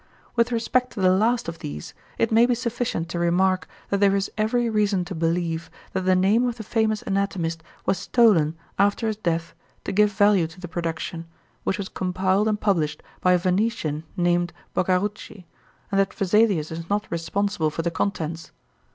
With respect to the last of these, it may be sufficient to remark that there is every reason to believe that the name of the famous anatomist was stolen after his death to give value to the production, which was compiled and published by a Venetian named Bogarucci; and that Vesalius is not responsible for the contents.